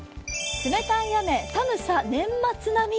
冷たい雨、寒さ年末並み。